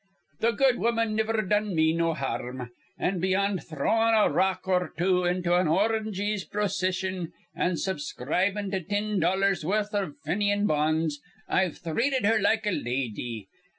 "Th' good woman niver done me no har rm; an', beyond throwin' a rock or two into an orangey's procission an' subscribin' to tin dollars' worth iv Fenian bonds, I've threated her like a lady.